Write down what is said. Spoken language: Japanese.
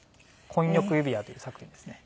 「こんよく指輪」という作品ですね。